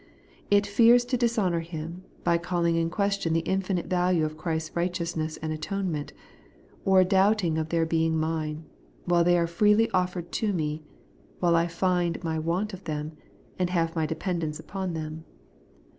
It fears to dishonour Him, by caUing in question the infinite value of Christ's righteousness and atonement, or doubting of their being mine, while they are freely offered to me, while I find my want of them, and have my dependence upon them.